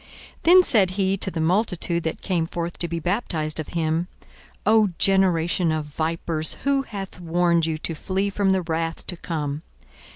42:003:007 Then said he to the multitude that came forth to be baptized of him, O generation of vipers, who hath warned you to flee from the wrath to come?